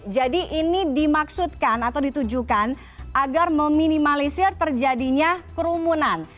jadi ini dimaksudkan atau ditujukan agar meminimalisir terjadinya kerumunan